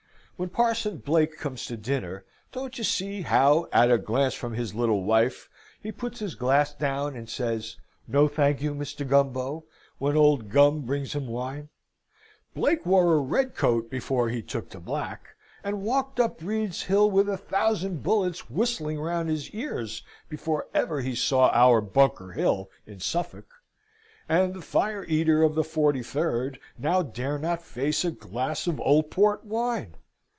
When Parson Blake comes to dinner, don't you see how at a glance from his little wife he puts his glass down and says, "No, thank you, Mr. Gumbo," when old Gum brings him wine? Blake wore a red coat before he took to black, and walked up Breeds Hill with a thousand bullets whistling round his ears, before ever he saw our Bunker Hill in Suffolk. And the fire eater of the 43rd now dare not face a glass of old port wine!